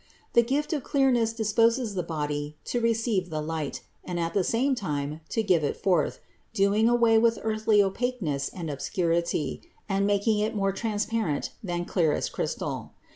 The gift of clear ness disposes the body to receive the light and at the same time to give it forth, doing away with earthly opaqueness and obscurity and making it more transparent than clearest crystal.